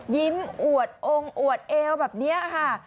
อวดองค์อวดเอวแบบนี้ค่ะ